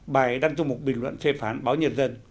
bài đăng trong một bình luận phê phán báo nhân dân